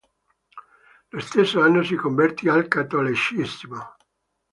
Lo stesso anno si convertì al cattolicesimo.